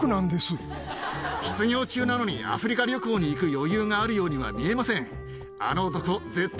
失業中なのに、アフリカ旅行に行く余裕があるようには見えません。